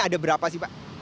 ada berapa sih pak